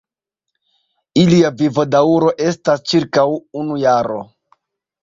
Ilia vivodaŭro estas ĉirkaŭ unu jaro.